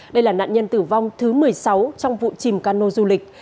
đây là nạn nhân tử vong thứ một mươi sáu trong vụ chìm cano du lịch